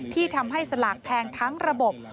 ที่ทำให้สลากแพงทั้งระบบ